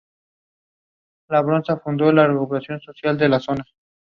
Her father worked in the railways.